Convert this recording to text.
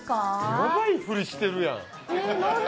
やばいふりしてるやん。